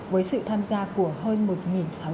với sự tham gia của hơn một sáu trăm linh ô tô